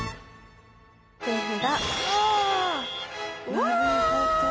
うわ！